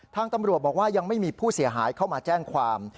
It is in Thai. ทางตำรวจบอกว่ายังไม่มีผู้เสียหายเข้ามาแจ้งความ